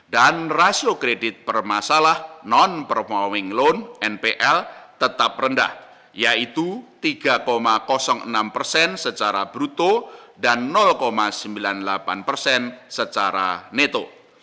dan rasio kredit permasalah non promoting loan npl tetap rendah yaitu tiga enam persen secara bruto dan sembilan puluh delapan persen secara neto